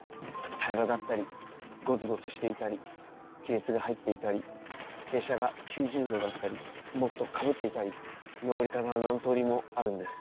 平らだったりゴツゴツしていたり亀裂が入っていたり傾斜が９０度だったりもっとかぶっていたり登り方は何通りもあるんです。